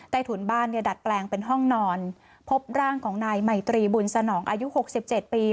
ถุนบ้านเนี่ยดัดแปลงเป็นห้องนอนพบร่างของนายไมตรีบุญสนองอายุ๖๗ปี